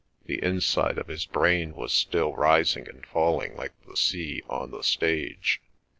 The inside of his brain was still rising and falling like the sea on the stage.